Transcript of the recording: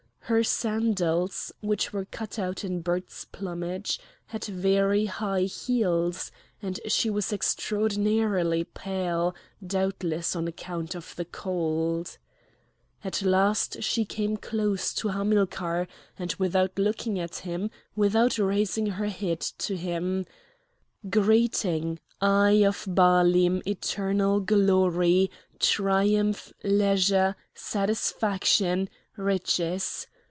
Her sandals, which were cut out in bird's plumage, had very high heels, and she was extraordinarily pale, doubtless on account of the cold. At last she came close to Hamilcar, and without looking at him, without raising her head to him: "Greeting, eye of Baalim, eternal glory! triumph! leisure! satisfaction! riches!